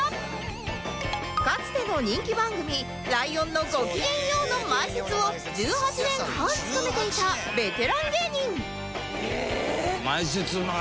かつての人気番組『ライオンのごきげんよう』の前説を１８年半務めていたベテラン芸人